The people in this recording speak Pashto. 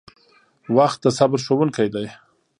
• وخت د صبر ښوونکی دی.